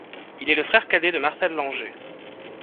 Il est le frère cadet de Marcel Langer.